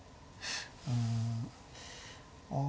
うん。ああ。